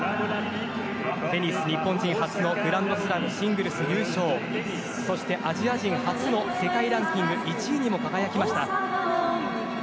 テニス日本人初のグランドスラムシングルス優勝そして、アジア人初の世界ランキング１位にも輝きました。